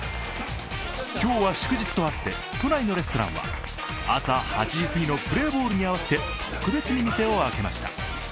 今日は祝日とあって、都内のレストランは朝８時すぎのプレーボールに合わせて、特別に店を開けました。